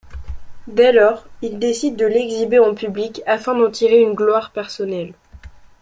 Dès lors, il décide de l'exhiber en public afin d'en tirer une gloire personnelle.